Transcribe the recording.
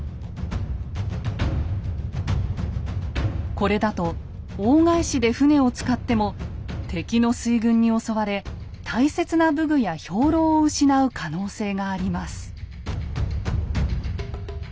これだと大返しで船を使っても敵の水軍に襲われ大切な武具や兵糧を失う可能性があります。